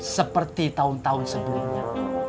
seperti tahun tahun sebelumnya